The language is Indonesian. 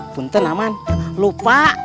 punten aman lupa